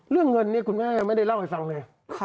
เรื่องเงินเนี่ยคุณแม่ไม่ได้เล่าให้ฟังเลย